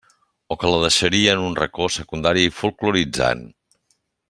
O que la deixaria en un racó secundari i folkloritzant.